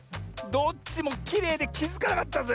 どっちもきれいできづかなかったぜ。